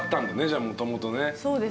じゃあもともとね。